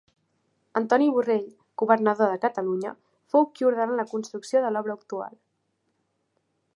Antoni Borrell, Governador de Catalunya, fou qui ordenà la construcció de l'obra actual.